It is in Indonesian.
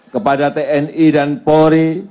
kepada tni dan polri